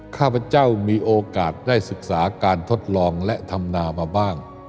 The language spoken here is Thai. ข้าพเจ้ามีโอกาสได้ศึกษาการทดลองและทำนามาบ้าง